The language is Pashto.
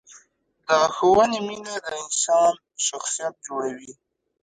د ښوونې مینه د انسان شخصیت جوړوي.